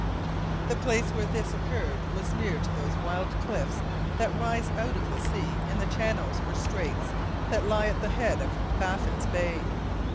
The place where this occurred was near to those wild cliffs that rise out of the sea in the channels or straits that lie at the head of Baffin's Bay.